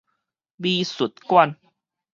美術館